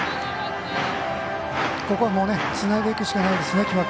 ここはつないでいくしかないですね、木場君。